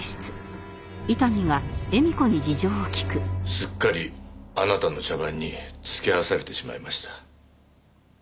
すっかりあなたの茶番に付き合わされてしまいました。